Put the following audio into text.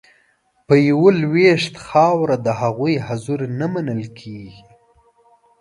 په یوه لوېشت خاوره د هغوی حضور نه منل کیږي